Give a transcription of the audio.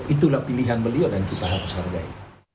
itulah pilihan beliau dan kita harus hargai